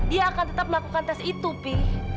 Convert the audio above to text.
dia akan tetap melakukan tes itu pi